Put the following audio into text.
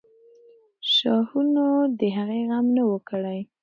شاهانو د هغې غم نه وو کړی.